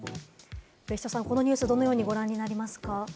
別所さん、このニュース、どのようにご覧になりますか？